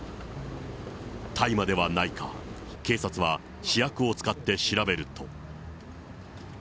大麻ではないか、警察は試薬を使って調べると。